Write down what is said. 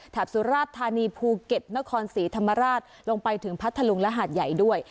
สุราชธานีภูเก็ตนครศรีธรรมราชลงไปถึงพัทธลุงและหาดใหญ่ด้วย